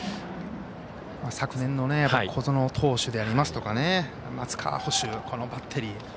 昨年の小園投手でありますとか松川捕手、このバッテリー。